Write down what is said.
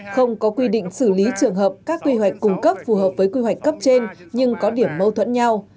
không có quy định xử lý trường hợp các quy hoạch cung cấp phù hợp với quy hoạch cấp trên nhưng có điểm mâu thuẫn nhau